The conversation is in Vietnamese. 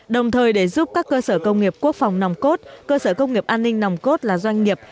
đồng thời để giúp các cơ sở công nghiệp quốc phòng nòng cốt cơ sở công nghiệp an ninh nòng cốt là doanh nghiệp